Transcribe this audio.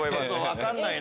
分かんない！